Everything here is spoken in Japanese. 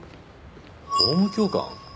法務教官？